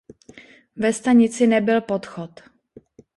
Ve stanici nebyl podchod.